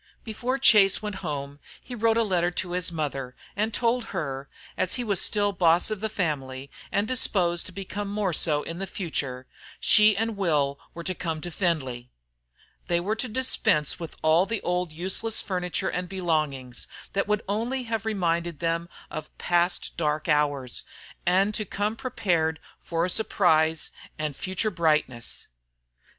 Before Chase went home he wrote a letter to his mother, and told her, as he was still boss of the family, and disposed to become more so in the future, she and Will were to come to Findlay. They were to dispense with all the old useless furniture and belongings, that would only have reminded them of past dark hours, and to come prepared for a surprise and future brightness.